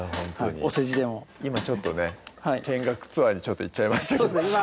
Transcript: お世辞でも今ちょっとね見学ツアーにちょっと行っちゃいましたけどそうですね